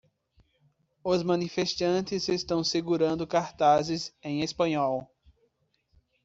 Os manifestantes estão segurando cartazes em espanhol.